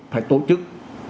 phải tổ chức